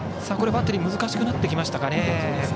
バッテリー難しくなってきましたかね。